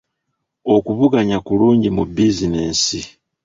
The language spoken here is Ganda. Okuvuganya kulungi mu bizinensi.